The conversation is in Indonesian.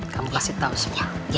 kamu kasih tau semua